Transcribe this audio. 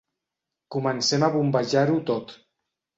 Comencem a bombejar-ho tot.